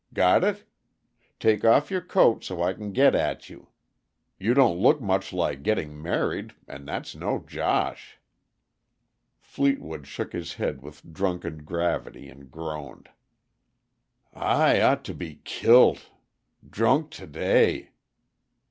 Got it? Take off your coat, so I can get at you. You don't look much like getting married, and that's no josh." Fleetwood shook his head with drunken gravity, and groaned. "I ought to be killed. Drunk to day!"